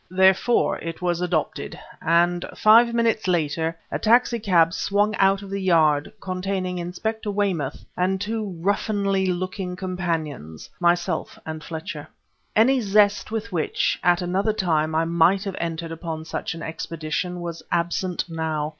Therefore it was adopted, and five minutes later a taxi cab swung out of the Yard containing Inspector Weymouth and two ruffianly looking companions myself and Fletcher. Any zest with which, at another time, I might have entered upon such an expedition, was absent now.